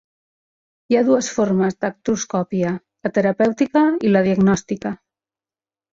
Hi ha dues formes d'artroscòpia: la terapèutica i la diagnòstica.